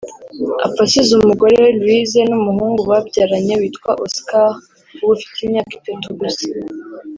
Apfa asize umugore we Louise n’umuhungu babyaranye witwa Oscar uba ufite imyaka itatu gusa